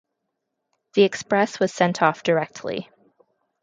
The express was sent off directly.